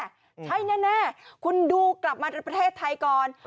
ใช่แน่คุณดูกลับมาประเทศไทยก่อน